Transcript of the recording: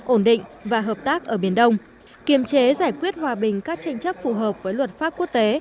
ổn định và hợp tác ở biển đông kiềm chế giải quyết hòa bình các tranh chấp phù hợp với luật pháp quốc tế